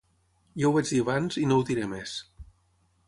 Ja ho vaig dir abans, i no ho diré més.